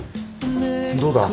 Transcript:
どうだ？